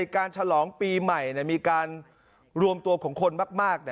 ฉลองปีใหม่มีการรวมตัวของคนมาก